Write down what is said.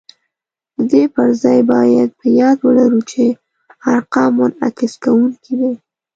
د دې پر ځای باید په یاد ولرو چې ارقام منعکس کوونکي دي